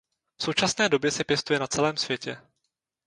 V současné době se pěstuje na celém světě.